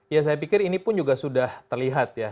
ya saya pikir ini pun juga sudah terlihat ya